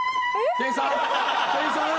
店員さん！